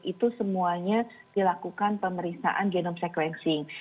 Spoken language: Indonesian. itu semuanya dilakukan pemeriksaan genome sequencing